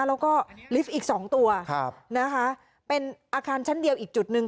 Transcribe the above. แล้วก็ลิฟต์อีกสองตัวนะคะเป็นอาคารชั้นเดียวอีกจุดหนึ่ง